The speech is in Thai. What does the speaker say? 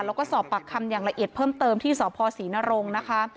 แล้วก็สอบปากคำอย่างละเอียดเพิ่มเติมที่สพศรีนรงค์นะคะ